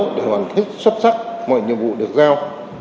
các cấp ủy đảng thích xuất sắc mọi nhiệm vụ được giao